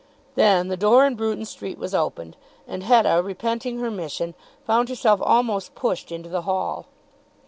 Then the door in Bruton Street was opened, and Hetta, repenting her mission, found herself almost pushed into the hall.